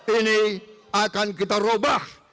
ini akan kita robah